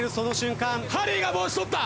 ハリーが帽子取った。